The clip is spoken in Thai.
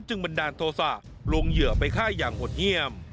จึงบันดาลโทษะลงเหยื่อไปไข้อย่างห่วดเงียบ